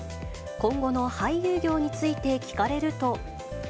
今後の俳優業について聞かれると。